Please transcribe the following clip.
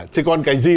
chứ còn cái gì